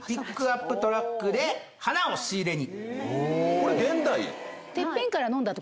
これ現代？